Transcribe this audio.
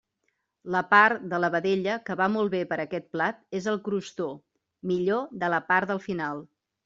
La part de la vedella que va molt bé per a aquest plat és el crostó, millor de la part del final.